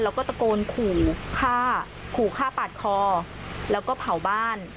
แล้วก็ตะโกนขู่ขาดขอผ่าบ้าน